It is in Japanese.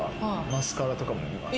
マスカラとかも見ますし。